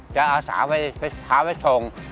จะอาสาวไปพาไปส่ง